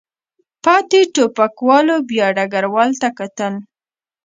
پاتې ټوپکوالو بیا ډګروال ته کتل.